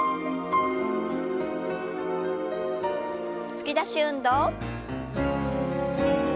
突き出し運動。